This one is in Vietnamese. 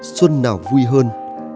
xuân nào vui hơn